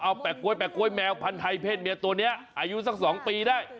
เอาแปะก๊วยแปะก๊วยแมวพันธัยเพศเมียตัวนี้อายุสัก๒ปีได้